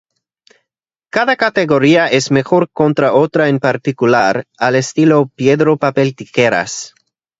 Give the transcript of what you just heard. Cada categoría es mejor contra otra en particular, al estilo Piedra-Papel-Tijeras.